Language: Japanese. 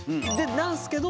なんすけど。